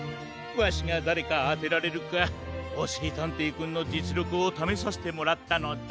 わしがだれかあてられるかおしりたんていくんのじつりょくをためさせてもらったのだ。